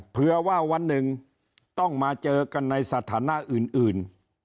เพื่อว่าวันหนึ่งต้องมาเจอกันในสถานะอื่น